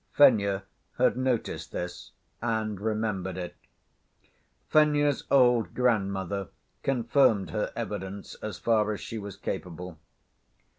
(Fenya had noticed this and remembered it.) Fenya's old grandmother confirmed her evidence as far as she was capable.